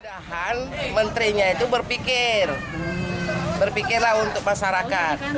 keudahan menterinya itu berpikir berpikirlah untuk masyarakat